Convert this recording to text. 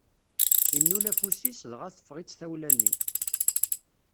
Innul afus-is, dɣa teffeɣ-itt tawla-nni.